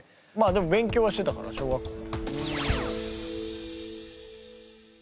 でも勉強はしてたかな小学校。